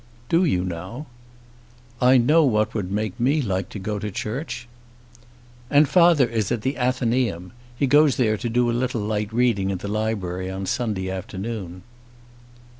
"Do you now?" "I know what would make me like to go to church." "And father is at the Athenæum. He goes there to do a little light reading in the library on Sunday afternoon."